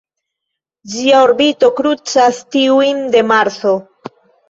Ĝia orbito krucas tiujn de Marso.